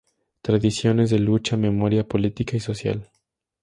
Tradiciones de lucha, memoria política y social.